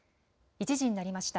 １時になりました。